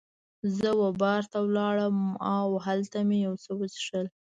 زه وه بار ته ولاړم او هلته مې یو څه وڅښل.